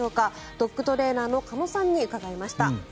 ドッグトレーナーの鹿野さんに伺いました。